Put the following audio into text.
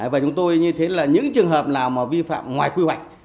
và chúng tôi như thế là những trường hợp nào mà vi phạm ngoài quy hoạch